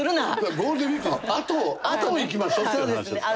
ゴールデンウィークのあとあと行きましょうっていう話ですから。